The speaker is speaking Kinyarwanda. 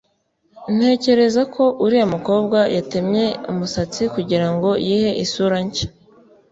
Ntekereza ko uriya mukobwa yatemye umusatsi kugirango yihe isura nshya